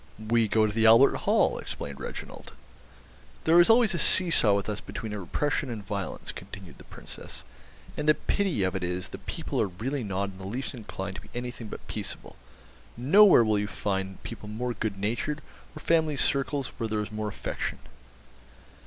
"We go to the Albert Hall," explained Reginald. "There is always a see saw with us between repression and violence," continued the Princess; "and the pity of it is the people are really not in the least inclined to be anything but peaceable. Nowhere will you find people more good natured, or family circles where there is more affection."